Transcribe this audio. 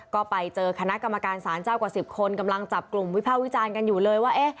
ก็ไปเจอคณะกรรมการสารเจ้ากว่า๑๐คนกำลังจับกลุ่มวิภาควิจารณ์กันอยู่เลยว่า